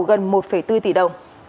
gần một bốn tỷ đồng